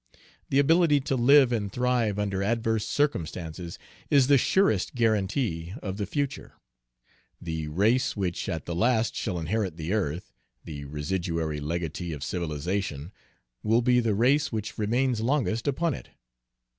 The ability to live and thrive under adverse circumstances is the surest guaranty of the future. The race which at the last shall inherit the earth the residuary legatee of civilization will be the race which remains longest upon it.